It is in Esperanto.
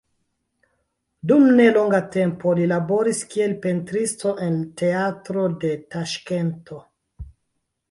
Dum nelonga tempo li laboris kiel pentristo en teatro de Taŝkento.